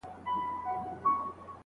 نوي سفرونه تجربه کړئ.